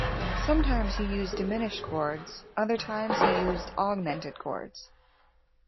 Sometimes he used diminished chords, other times he used augmented chords.